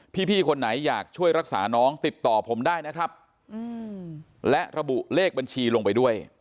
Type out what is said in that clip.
พี่คนไหนอยากช่วยรักษาน้องติดต่อผมได้นะครับและระบุเลขบัญชีลงไปด้วย